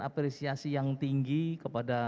apresiasi yang tinggi kepada